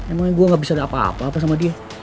emangnya gue gak bisa ada apa apa apa sama dia